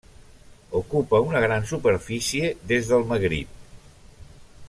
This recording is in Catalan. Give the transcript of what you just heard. Ocupa una gran superfície des del Magrib.